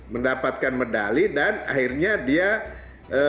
mendapatkan medali dan akhirnya mereka mendapatkan medali